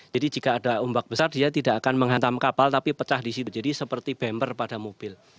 jadi jika ada ombak besar dia tidak akan menghantam kapal tapi pecah di situ jadi seperti bember pada mobil